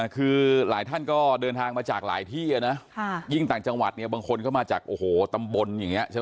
คือหลายท่านก็เดินทางมาจากหลายที่นะยิ่งต่างจังหวัดเนี่ยบางคนก็มาจากโอ้โหตำบลอย่างนี้ใช่ไหม